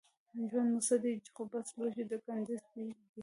ژوند مو څه دی خو بس لوښی د ګنډېر دی